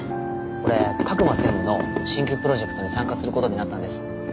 俺格馬専務の新規プロジェクトに参加することになったんです。